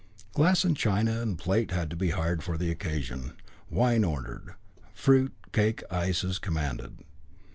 Glass and china and plate had to be hired for the occasion, wine ordered. Fruit, cake, ices commanded.